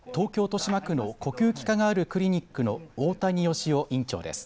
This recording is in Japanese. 豊島区の呼吸器科があるクリニックの大谷義夫院長です。